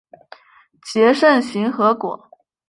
结肾形核果。